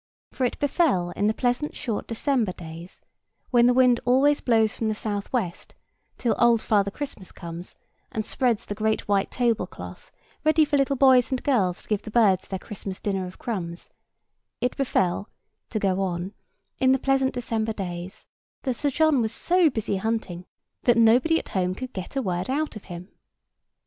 For it befell in the pleasant short December days, when the wind always blows from the south west, till Old Father Christmas comes and spreads the great white table cloth, ready for little boys and girls to give the birds their Christmas dinner of crumbs—it befell (to go on) in the pleasant December days, that Sir John was so busy hunting that nobody at home could get a word out of him.